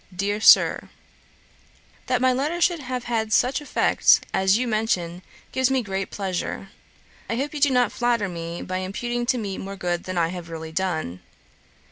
'DEAR SIR, 'That my letter should have had such effects as you mention, gives me great pleasure. I hope you do not flatter me by imputing to me more good than I have really done.